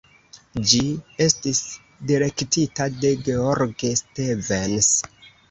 Ĝi estis direktita de George Stevens.